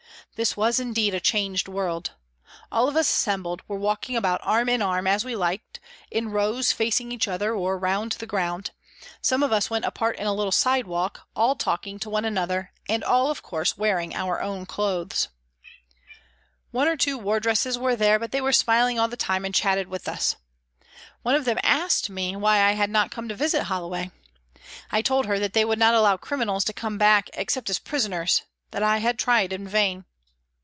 This was indeed a changed world. All of us assembled were walking about arm in arm, as we liked, in rows facing each other, or round the ground ; some of us went apart in a little side walk, all talking to one another, and all, of course, wearing our own clothes. One or two wardresses were there, but they were smiling all the time and chatted with us. One of them asked me why I had not come to visit Hollo way. I told her that they would not allow " criminals " to come back except as prisoners, that I had tried in vain.